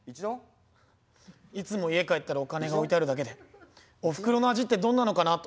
いつも家帰ったらお金が置いてあるだけでおふくろの味ってどんなのかなと。